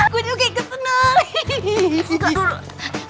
gue juga ikut seneng